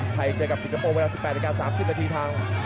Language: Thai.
เจอกับสิงคโปร์เวลา๑๘นาที๓๐นาทีทาง